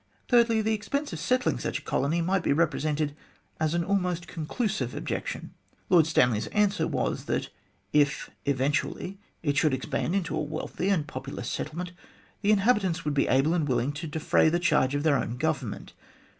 Thirdly, the expense of settling such a colony might be represented as an almost conclusive objection. Lord Stanley's answer was, that if, eventually, it should expand into a wealthy and populous settlement, the inhabitants would be able and willing to defray the charge of their own government.